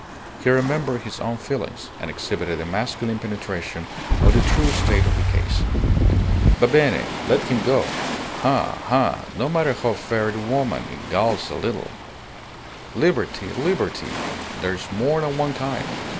He remembered his own feelings, and exhibited a masculine penetration of the true state of the case. "Va bene. Let him go. Ha! ha! No matter how fair the woman, it galls a little. Liberty, liberty. There's more than one kind!